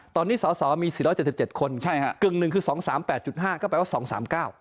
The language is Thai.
ตอนนี้สอสอมี๔๗๗คนกึ่งหนึ่งคือ๒๓๘๕ก็แปลว่า๒๓๙